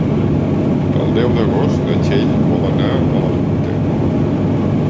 El deu d'agost na Txell vol anar a la biblioteca.